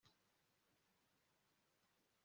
Kandi unyitayeho kandi mbona umunezero udashoboka